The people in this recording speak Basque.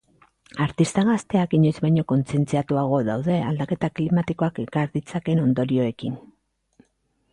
Artista gazteak inoiz baino kontzentziatuago daude aldaketa klimatikoak ekar ditzakeen ondorioekin.